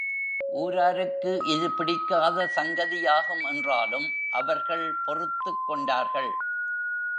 ஊராருக்கு இது பிடிக்காத சங்கதியாகும் என்றாலும் அவர்கள் பொறுத்துக் கொண்டார்கள்.